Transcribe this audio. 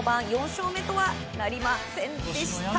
４勝目とはなりませんでした。